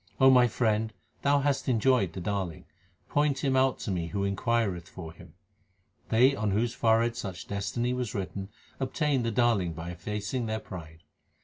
O my friend, thou hast enjoyed the Darling ; point Him out to me who inquireth for Him. They on whose forehead such destiny was written, obtain the Darling by effacing their pride.